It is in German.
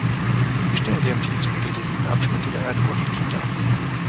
Sie stellen die am tiefsten gelegenen Abschnitte der Erdoberfläche dar.